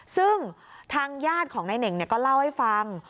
ซึ่งทางญาติของนายเน่งก็เล่าให้ฟัง